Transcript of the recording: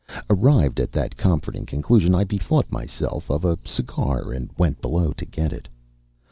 Arrived at that comforting conclusion, I bethought myself of a cigar and went below to get it.